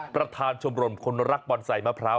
ประธานชมรมคนรักบอลใส่มะพร้าว